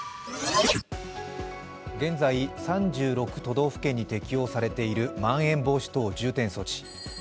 現在、３６都道府県に適用されているまん延防止等重点措置。